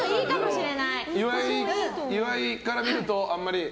岩井から見ると、あんまり。